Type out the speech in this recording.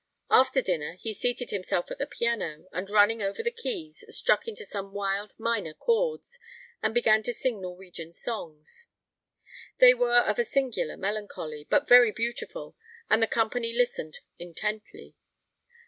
After dinner he seated himself at the piano, and running over the keys, struck into some wild minor chords, and began to sing Norwegian songs. They were of a singular melancholy, but very beautiful, and the company listened intently.